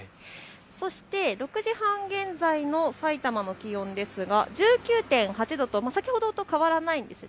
そして６時半現在のさいたまの気温ですが１９．８度と先ほどと変わらないんです。